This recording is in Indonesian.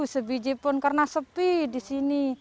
sebiji pun karena sepi di sini